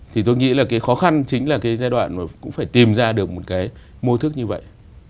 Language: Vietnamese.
thì tôi nghĩ là cái khó khăn chính là cái giai đoạn mà cũng phải tìm ra được một cái mô thức như vậy